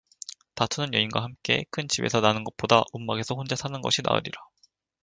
다투는 여인과 함께 큰 집에서 나는 것보다 움막에서 혼자 사는 것이 나으니라